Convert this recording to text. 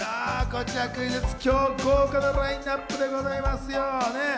こちらクイズッス、今日は豪華なラインナップでございますよ。